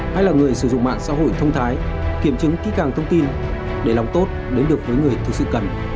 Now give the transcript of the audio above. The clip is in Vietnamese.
hay là người sử dụng mạng xã hội thông thái kiểm chứng kỹ càng thông tin để lòng tốt đến được với người thực sự cần